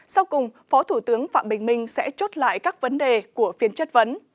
sau cùng phó thủ tướng phạm bình minh sẽ chốt lại các vấn đề của phiên chất vấn